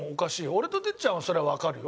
俺と哲ちゃんはそれはわかるよ。